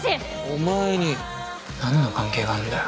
お前に何の関係があんだよ。